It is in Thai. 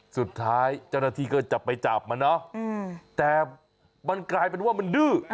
สุดท้ายเจ้าหน้าที่ก็จะไปจับมาเนอะแต่มันกลายเป็นว่ามันดื้อ